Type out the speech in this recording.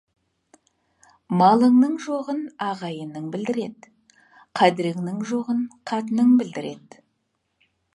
Малыңның жоғын ағайының білдіреді, қадіріңнің жоғын қатының білдіреді.